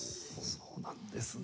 そうなんですね。